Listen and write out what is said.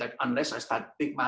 atau mereka berpikir bahwa